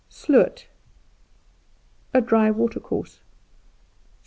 Sloot A dry watercourse.